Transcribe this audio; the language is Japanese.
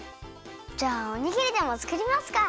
じゃあおにぎりでもつくりますか。